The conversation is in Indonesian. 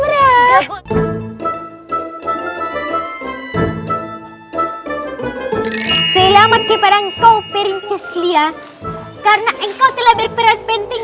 karena engkau telah berperan penting di dalam perjalanan yang terbaik untuk mencapai kembali